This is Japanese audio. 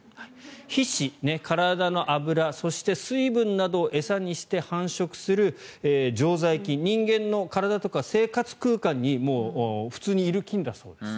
皮脂、体の油そして水分などを餌にして繁殖する常在菌人間の体とか生活空間に普通にいる菌だそうです